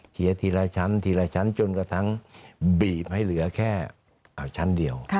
ทีละชั้นทีละชั้นจนกระทั่งบีบให้เหลือแค่ชั้นเดียว